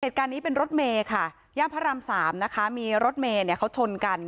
เหตุการณ์นี้เป็นรถเมย์ค่ะย่านพระรามสามนะคะมีรถเมย์เนี่ยเขาชนกัน